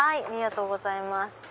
ありがとうございます。